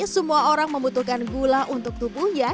semua orang membutuhkan gula untuk tubuhnya